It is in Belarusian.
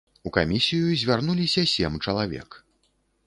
У камісію звярнуліся сем чалавек.